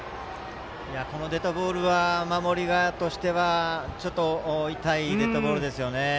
このデッドボールは守る側としてはちょっと痛いデッドボールですね。